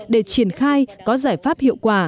để triển khai có giải pháp hiệu quả